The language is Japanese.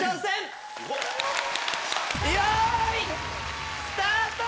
よーいスタート！